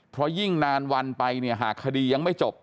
เพราะยิ่งนานวันไปเนี่ยหากคดียังไม่จบ